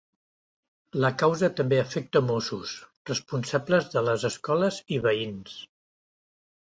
La causa també afecta mossos, responsables de les escoles i veïns.